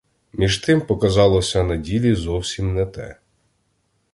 Між тим показалося на ділі зовсім не те.